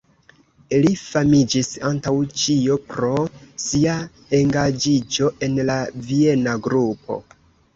Li famiĝis antaŭ ĉio pro sia engaĝiĝo en la Viena Grupo.